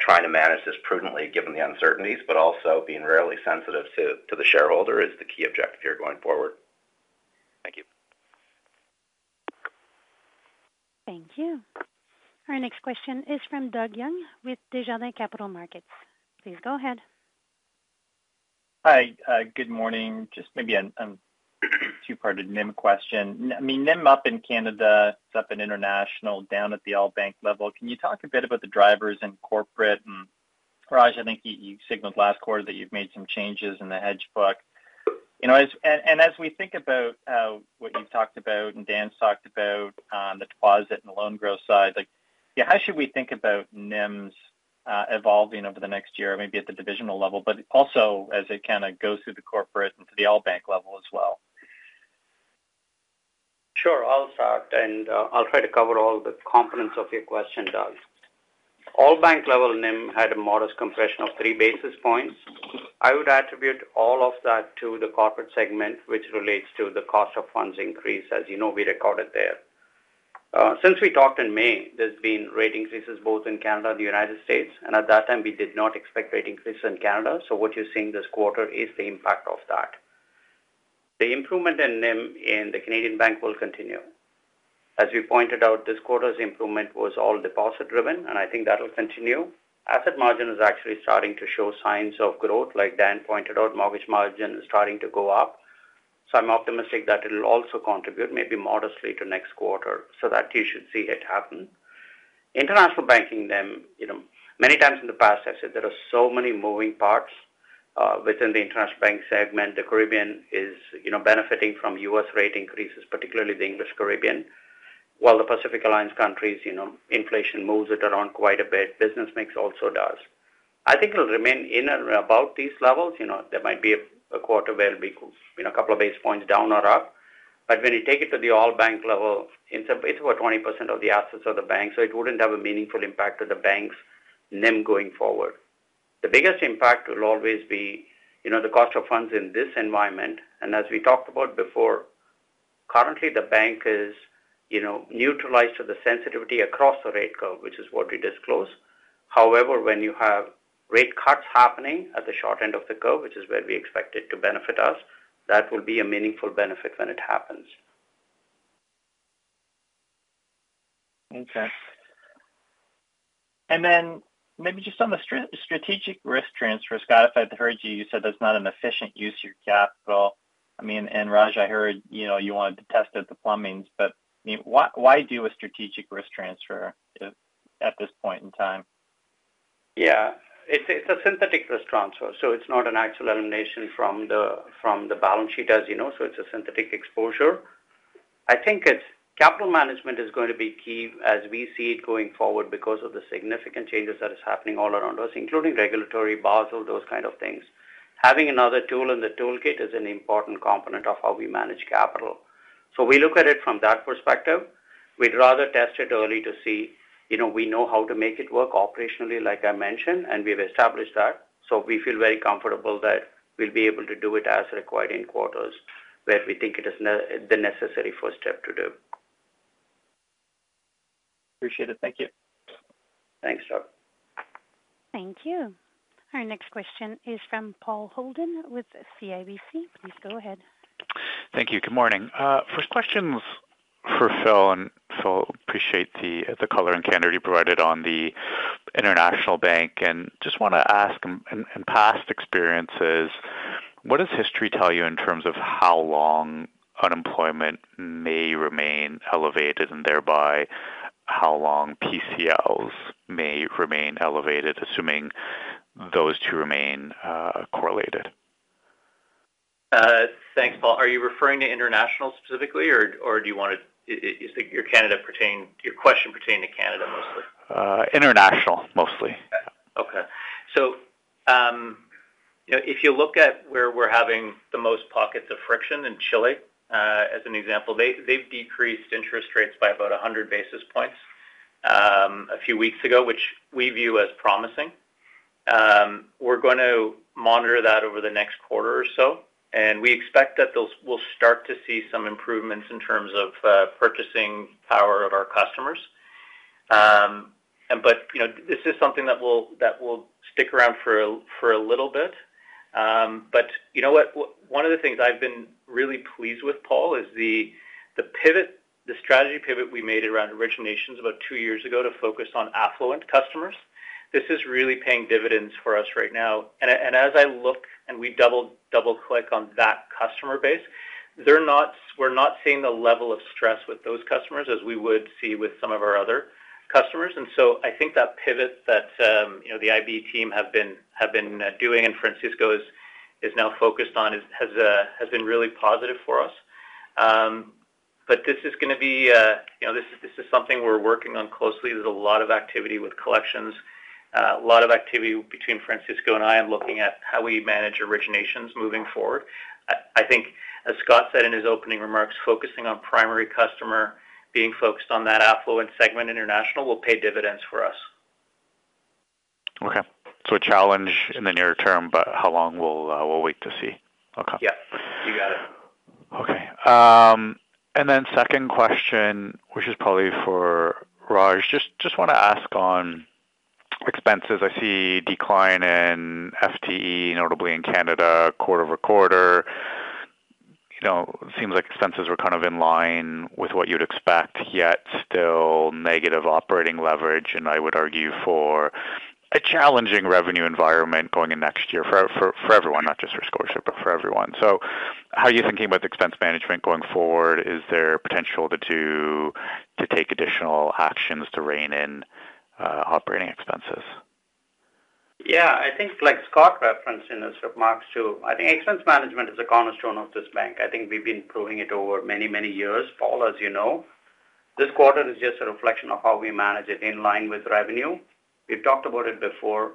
trying to manage this prudently, given the uncertainties, but also being really sensitive to the shareholder is the key objective here going forward. Thank you. Thank you. Our next question is from Doug Young, with Desjardins Capital Markets. Please go ahead. Hi, good morning. Just maybe a two-part NIM question. I mean, NIM up in Canada, it's up in international, down at the all bank level. Can you talk a bit about the drivers in corporate? And Raj, I think you signaled last quarter that you've made some changes in the hedge book. as and as we think about what you've talked about and Dan's talked about, the deposit and the loan growth side. How should we think about NIMs evolving over the next year, maybe at the divisional level, but also as it kind of goes through the corporate and to the all bank level as well? Sure, I'll start, and I'll try to cover all the components of your question, Doug. All bank level NIM had a modest compression of three basis points. I would attribute all of that to the corporate segment, which relates to the cost of funds increase, as we recorded there. Since we talked in May, there's been rate increases both in Canada and the United States, and at that time, we did not expect rate increases in Canada. So what you're seeing this quarter is the impact of that. The improvement in NIM in the Canadian bank will continue. As we pointed out, this quarter's improvement was all deposit driven, and I think that'll continue. Asset margin is actually starting to show signs of growth. Like Dan pointed out, mortgage margin is starting to go up, so I'm optimistic that it'll also contribute, maybe modestly to next quarter, so that you should see it happen. International banking NIM, many times in the past, I said there are so many moving parts within the international bank segment. The Caribbean is, benefiting from U.S. rate increases, particularly the English Caribbean, while the Pacific Alliance countries, inflation moves it around quite a bit. Business mix also does. I think it'll remain in and about these levels. there might be a quarter where it'll be, a couple of basis points down or up, but when you take it to the all bank level, it's about 20% of the assets of the bank, so it wouldn't have a meaningful impact to the bank's NIM going forward. The biggest impact will always be, the cost of funds in this environment. As we talked about before, currently, the bank is, neutralized to the sensitivity across the rate curve, which is what we disclose. However, when you have rate cuts happening at the short end of the curve, which is where we expect it to benefit us, that will be a meaningful benefit when it happens. Okay. And then maybe just on the strategic risk transfer, Scott, if I heard you, you said that's not an efficient use of your capital. I mean, and Raj, I heard, you wanted to test out the plumbing, but, I mean, why, why do a strategic risk transfer at, at this point in time? It's a synthetic risk transfer, so it's not an actual elimination from the balance sheet, as so it's a synthetic exposure. I think it's capital management is going to be key as we see it going forward because of the significant changes that is happening all around us, including regulatory Basel, those kind of things. Having another tool in the toolkit is an important component of how we manage capital. So we look at it from that perspective. We'd rather test it early to see, we know how to make it work operationally, like I mentioned, and we've established that. So we feel very comfortable that we'll be able to do it as required in quarters where we think it is the necessary first step to do. Appreciate it. Thank you. Thanks, Scott. Thank you. Our next question is from Paul Holden with CIBC. Please go ahead. Thank you. Good morning. First question's for Phil, and Phil, appreciate the color and candor you provided on the international bank. And just want to ask, in past experiences, what does history tell you in terms of how long unemployment may remain elevated, and thereby how long PCLs may remain elevated, assuming those two remain correlated? Thanks, Paul. Are you referring to international specifically, or do you want to is your question pertaining to Canada mostly? International, mostly. Okay. So, if you look at where we're having the most pockets of friction in Chile, as an example, they, they've decreased interest rates by about 100 basis points, a few weeks ago, which we view as promising. We're going to monitor that over the next quarter or so, and we expect that those we'll start to see some improvements in terms of, purchasing power of our customers. But, this is something that will, that will stick around for a, for a little bit. But what? One of the things I've been really pleased with, Paul, is the, the pivot, the strategy pivot we made around originations about two years ago to focus on affluent customers. This is really paying dividends for us right now. And as I look and we double, double-click on that customer base, they're not, we're not seeing the level of stress with those customers as we would see with some of our other customers. And so I think that pivot that, the IB team have been, have been doing, and Francisco is, is now focused on, has been really positive for us. But this is going to be, this, this is something we're working on closely. There's a lot of activity with collections, a lot of activity between Francisco and I on looking at how we manage originations moving forward. I think, as Scott said in his opening remarks, focusing on primary customer, being focused on that affluent segment international will pay dividends for us. Okay. So a challenge in the near term, but how long? We'll, we'll wait to see. Okay. you got it. Okay. And then second question, which is probably for Raj. Just, just want to ask on expenses. I see decline in FTE, notably in Canada, quarter-over-quarter. seems like expenses were kind of in line with what you'd expect, yet still negative operating leverage, and I would argue, for a challenging revenue environment going in next year for, for, for everyone, not just for Scotiabank, but for everyone. So how are you thinking about the expense management going forward? Is there potential to, to, to take additional actions to rein in operating expenses? I think like Scott referenced in his remarks, too, I think expense management is a cornerstone of this bank. I think we've been proving it over many, many years. Paul, as this quarter is just a reflection of how we manage it in line with revenue. We've talked about it before,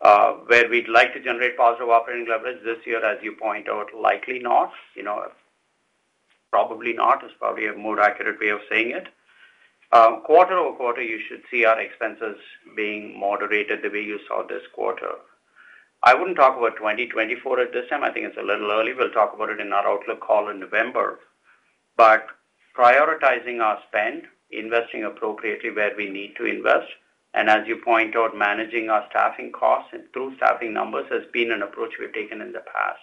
where we'd like to generate positive operating leverage this year, as you point out, likely not. probably not, is probably a more accurate way of saying it. Quarter-over-quarter, you should see our expenses being moderated the way you saw this quarter. I wouldn't talk about 2024 at this time. I think it's a little early. We'll talk about it in our outlook call in November. But prioritizing our spend, investing appropriately where we need to invest, and as you point out, managing our staffing costs and through staffing numbers, has been an approach we've taken in the past.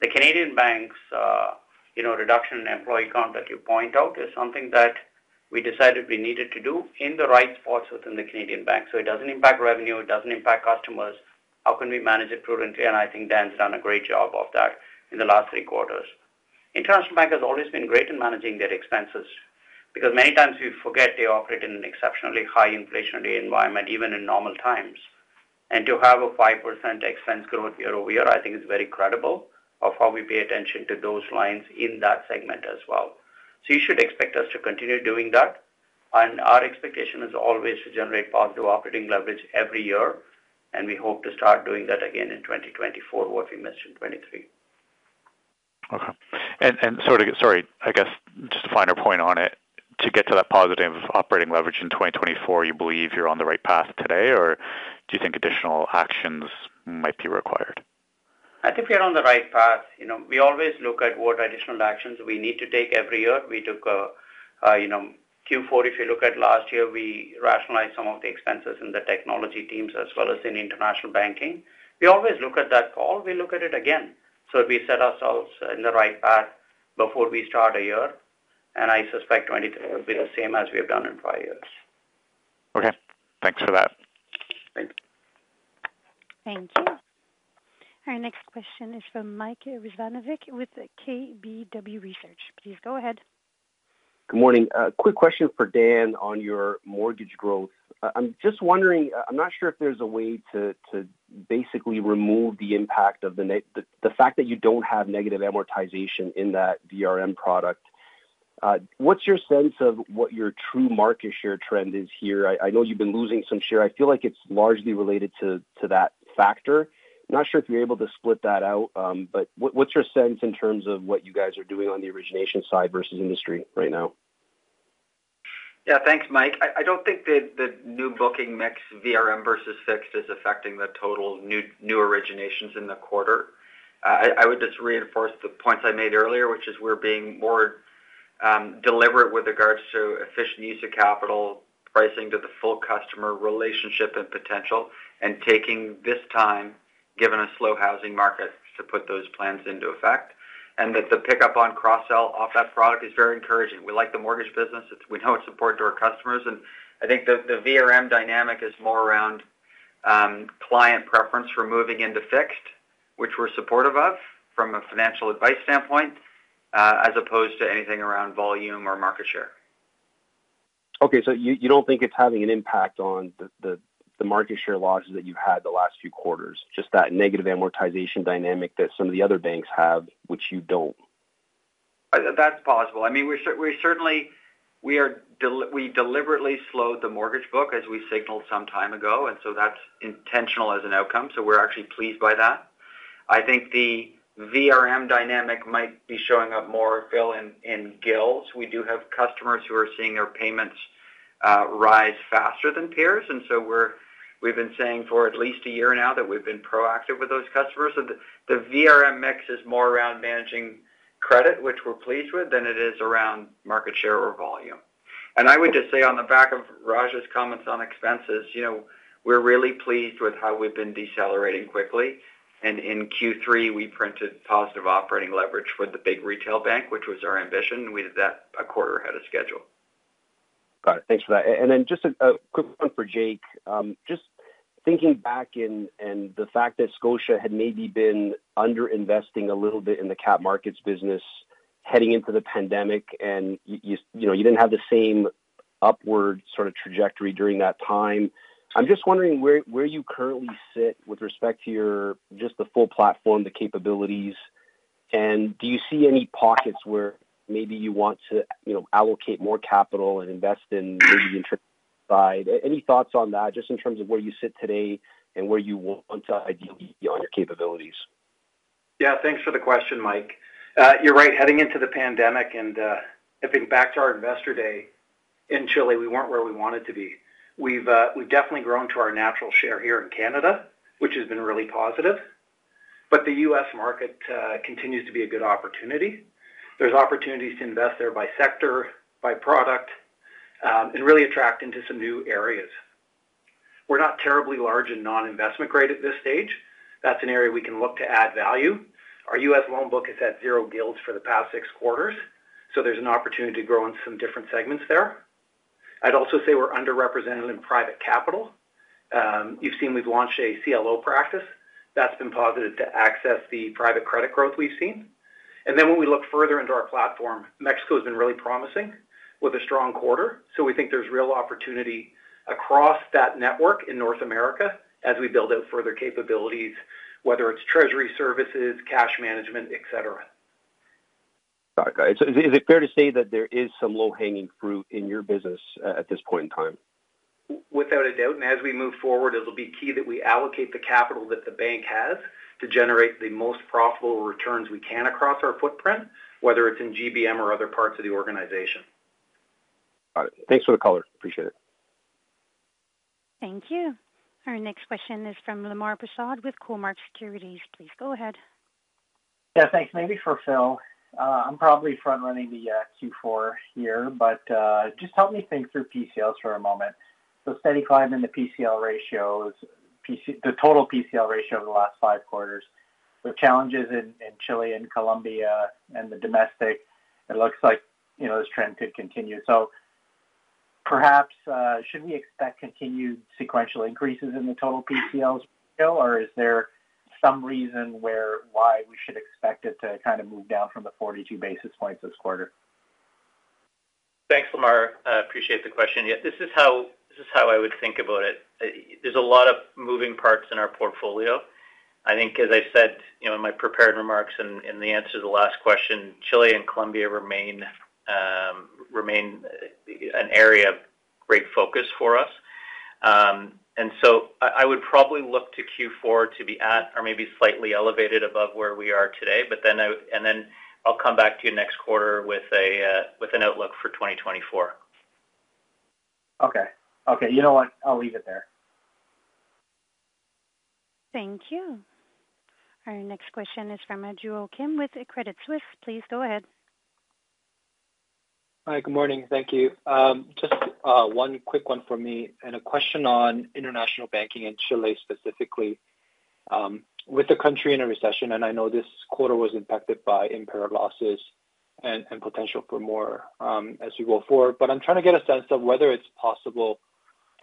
The Canadian banks, reduction in employee count that you point out, is something that we decided we needed to do in the right spots within the Canadian bank. So it doesn't impact revenue, it doesn't impact customers. How can we manage it prudently? And I think Dan's done a great job of that in the last three quarters. International Bank has always been great in managing their expenses, because many times we forget they operate in an exceptionally high inflationary environment, even in normal times. And to have a 5% expense growth year-over-year, I think is very credible of how we pay attention to those lines in that segment as well. So you should expect us to continue doing that, and our expectation is always to generate positive operating leverage every year, and we hope to start doing that again in 2024, what we missed in 2023. Okay. Sorry, I guess just to get to that positive operating leverage in 2024, you believe you're on the right path today, or do you think additional actions might be required? I think we're on the right path. we always look at what additional actions we need to take every year. We took, Q4, if you look at last year, we rationalized some of the expenses in the technology teams as well as in international banking. We always look at that call. We look at it again. So we set ourselves in the right path before we start a year, and I suspect 2023 will be the same as we have done in prior years. Okay, thanks for that. Thank you. Thank you. Our next question is from Mike Rizvanovic with KBW Research. Please go ahead. Good morning. Quick question for Dan on your mortgage growth. I, I'm just wondering, I'm not sure if there's a way to basically remove the impact of the fact that you don't have negative amortization in that VRM product. What's your sense of what your true market share trend is here? I, I know you've been losing some share. I feel like it's largely related to that factor. I'm not sure if you're able to split that out, but what's your sense in terms of what you guys are doing on the origination side versus industry right now? Thanks, Mike. I, I don't think the, the new booking mix, VRM versus fixed, is affecting the total new, new originations in the quarter. I, I would just reinforce the points I made earlier, which is we're being more deliberate with regards to efficient use of capital, pricing to the full customer relationship and potential, and taking this time, given a slow housing market, to put those plans into effect. And that the pickup on cross-sell off that product is very encouraging. We like the mortgage business. It's. We know it's important to our customers, and I think the, the VRM dynamic is more around client preference for moving into fixed, which we're supportive of from a financial advice standpoint, as opposed to anything around volume or market share. Okay, so you don't think it's having an impact on the market share losses that you've had the last few quarters, just that negative amortization dynamic that some of the other banks have, which you don't? That's possible. I mean, we're certainly, we deliberately slowed the mortgage book, as we signaled some time ago, and so that's intentional as an outcome, so we're actually pleased by that. I think the VRM dynamic might be showing up more, Phil, in GILs. We do have customers who are seeing their payments rise faster than peers, and so we've been saying for at least a year now that we've been proactive with those customers. So the VRM mix is more around managing credit, which we're pleased with, than it is around market share or volume. I would just say on the back of Raj's comments on expenses, we're really pleased with how we've been decelerating quickly. In Q3, we printed positive operating leverage for the big retail bank, which was our ambition. We did that a quarter ahead of schedule. Got it. Thanks for that. And then just a quick one for Jake. Just thinking back and the fact that Scotia had maybe been underinvesting a little bit in the cap markets business heading into the pandemic, and you, you didn't have the same upward sort of trajectory during that time. I'm just wondering where you currently sit with respect to your just the full platform, the capabilities, and do you see any pockets where maybe you want to, allocate more capital and invest in, maybe in trade side? Any thoughts on that, just in terms of where you sit today and where you want to ideally be on your capabilities? Thanks for the question, Mike. You're right, heading into the pandemic and, I think back to our investor day in Chile, we weren't where we wanted to be. We've, we've definitely grown to our natural share here in Canada, which has been really positive. But the U.S. market continues to be a good opportunity. There's opportunities to invest there by sector, by product, and really attract into some new areas. We're not terribly large in non-investment grade at this stage. That's an area we can look to add value. Our U.S. loan book has had zero GILs for the past six quarters, so there's an opportunity to grow in some different segments there. I'd also say we're underrepresented in private capital. You've seen we've launched a CLO practice. That's been positive to access the private credit growth we've seen. When we look further into our platform, Mexico has been really promising, with a strong quarter. We think there's real opportunity across that network in North America as we build out further capabilities, whether it's treasury services, cash management, et cetera. Got it. So is it fair to say that there is some low-hanging fruit in your business, at this point in time? Without a doubt, and as we move forward, it'll be key that we allocate the capital that the bank has to generate the most profitable returns we can across our footprint, whether it's in GBM or other parts of the organization. Got it. Thanks for the color. Appreciate it. Thank you. Our next question is from Lemar Persaud with Cormark Securities. Please go ahead. Thanks. Maybe for Phil. I'm probably front-running the Q4 here, but just help me think through PCLs for a moment. So steady climb in the PCL ratios, the total PCL ratio over the last five quarters, the challenges in Chile and Colombia and the domestic, it looks like, this trend could continue. So perhaps should we expect continued sequential increases in the total PCLs, Phil, or is there some reason where why we should expect it to kind of move down from the 42 basis points this quarter? Thanks, Lemar. I appreciate the question. this is how, this is how I would think about it. There's a lot of moving parts in our portfolio. I think, as I said, in my prepared remarks and in the answer to the last question, Chile and Colombia remain remain an area of great focus for us. so I would probably look to Q4 to be at or maybe slightly elevated above where we are today, but then, and then I'll come back to you next quarter with an outlook for 2024. Okay, what? I'll leave it there. Thank you. Our next question is from Joo Ho Kim with Credit Suisse. Please go ahead. Hi, good morning. Thank you. Just, one quick one for me and a question on international banking in Chile, specifically. With the country in a recession, and I know this quarter was impacted by impaired losses and potential for more, as you go forward. But I'm trying to get a sense of whether it's possible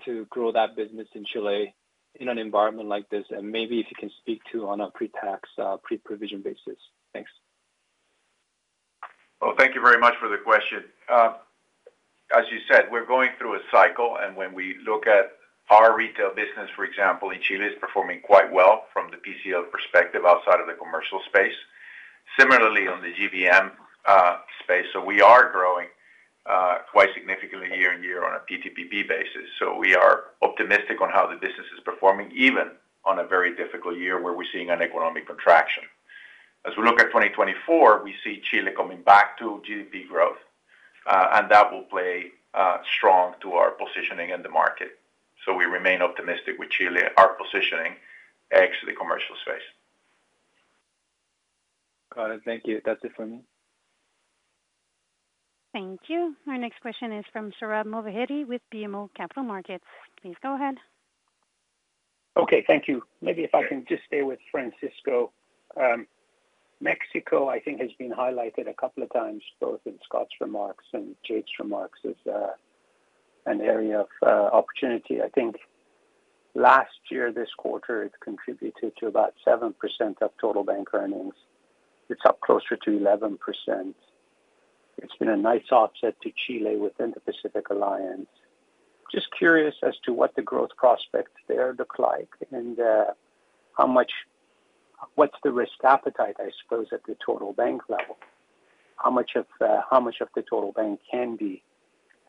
to grow that business in Chile in an environment like this, and maybe if you can speak to on a pre-tax, pre-provision basis. Thanks. Well, thank you very much for the question. As you said, we're going through a cycle, and when we look at our retail business, for example, in Chile, is performing quite well from the PCL perspective outside of the commercial space. Similarly, on the GBM space, so we are growing quite significantly year-over-year on a PTPP basis. So we are optimistic on how the business is performing, even on a very difficult year, where we're seeing an economic contraction. As we look at 2024, we see Chile coming back to GDP growth, and that will play strong to our positioning in the market. So we remain optimistic with Chile, our positioning, ex the commercial space. Got it. Thank you. That's it for me. Thank you. Our next question is from Sohrab Movahedi with BMO Capital Markets. Please go ahead. Okay, thank you. Maybe if I can just stay with Francisco. Mexico, I think, has been highlighted a couple of times, both in Scott's remarks and Jake's remarks, as an area of opportunity. I think last year, this quarter, it contributed to about 7% of total bank earnings. It's up closer to 11%. It's been a nice offset to Chile within the Pacific Alliance. Just curious as to what the growth prospects there look like, and how much. what's the risk appetite, I suppose, at the total bank level? How much of the total bank can be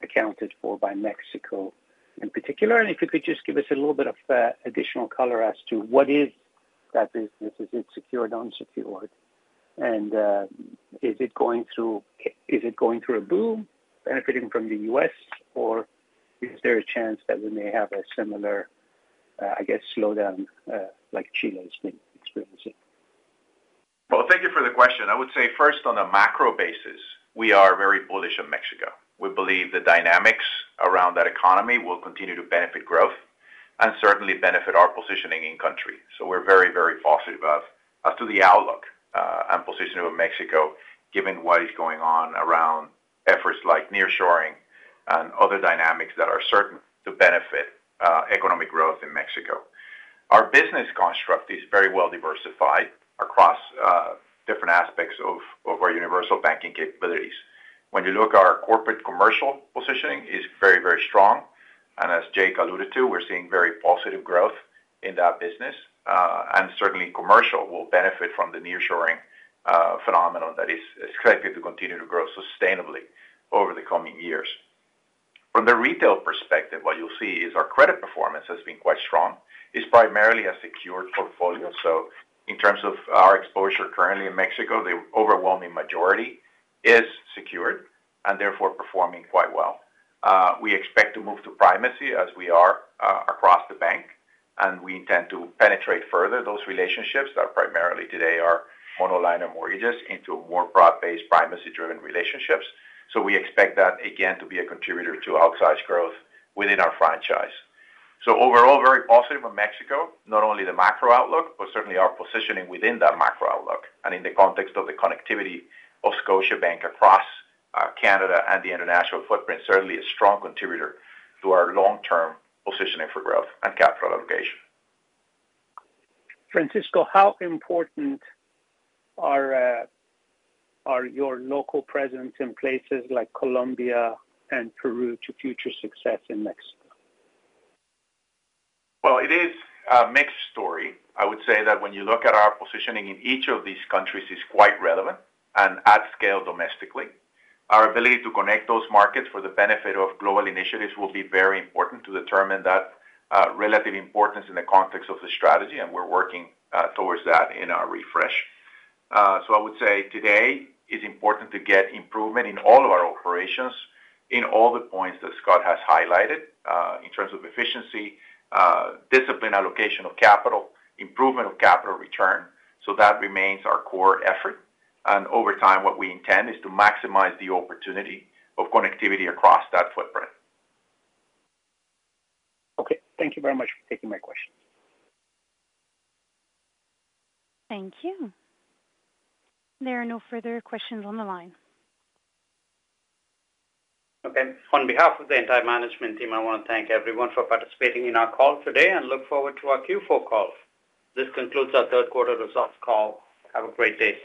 accounted for by Mexico in particular? And if you could just give us a little bit of additional color as to what is that business? Is it secured, unsecured? Is it going through a boom benefiting from the U.S., or is there a chance that we may have a similar, I guess, slowdown, like Chile has been experiencing? Well, thank you for the question. I would say, first, on a macro basis, we are very bullish on Mexico. We believe the dynamics around that economy will continue to benefit growth and certainly benefit our positioning in country. So we're very, very positive as to the outlook and positioning of Mexico, given what is going on around efforts like nearshoring and other dynamics that are certain to benefit economic growth in Mexico. Our business construct is very well diversified across different aspects of our universal banking capabilities. When you look at our corporate commercial positioning is very, very strong, and as Jake alluded to, we're seeing very positive growth in that business. And certainly, commercial will benefit from the nearshoring phenomenon that is expected to continue to grow sustainably over the coming years. From the retail perspective, what you'll see is our credit performance has been quite strong. It's primarily a secured portfolio, so in terms of our exposure currently in Mexico, the overwhelming majority is secured and therefore performing quite well. We expect to move to primacy as we are across the bank, and we intend to penetrate further those relationships that primarily today are monoline and mortgages into a more broad-based, primacy-driven relationships. So we expect that, again, to be a contributor to outsized growth within our franchise. So overall, very positive on Mexico, not only the macro outlook, but certainly our positioning within that macro outlook. And in the context of the connectivity of Scotiabank across Canada and the international footprint, certainly a strong contributor to our long-term positioning for growth and capital allocation. Francisco, how important are your local presence in places like Colombia and Peru to future success in Mexico? Well, it is a mixed story. I would say that when you look at our positioning in each of these countries is quite relevant and at scale domestically. Our ability to connect those markets for the benefit of global initiatives will be very important to determine that, relative importance in the context of the strategy, and we're working towards that in our refresh. So I would say today is important to get improvement in all of our operations, in all the points that Scott has highlighted, in terms of efficiency, discipline, allocation of capital, improvement of capital return. So that remains our core effort, and over time, what we intend is to maximize the opportunity of connectivity across that footprint. Okay. Thank you very much for taking my question. Thank you. There are no further questions on the line. Okay. On behalf of the entire management team, I want to thank everyone for participating in our call today and look forward to our Q4 call. This concludes our Q3 results call. Have a great day.